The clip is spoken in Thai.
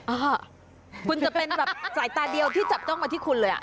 เออคุณจะเป็นแบบสายตาเดียวที่จับจ้องมาที่คุณเลย